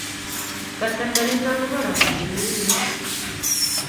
Kasarta nitok ko bo rapta che ng'ering